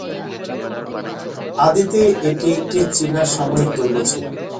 আদিতে এটি একটি চীনা সামরিক দুর্গ ছিল।